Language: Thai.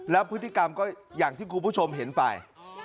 แล้วพฤติกรรมก็อย่างที่คุณผู้ชมเห็นไป